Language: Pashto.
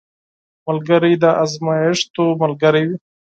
ملګری د ازمېښتو ملګری وي